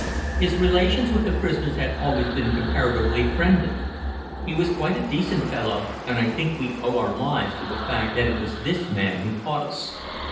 His relations with the prisoners had always been comparatively friendly. He was quite a decent fellow, and I think we owe our lives to the fact that it was this man who caught us.